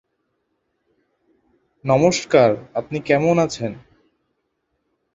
নমস্কার! আপনি কেমন আছেন?